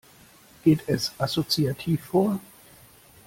Geht es assoziativ vor?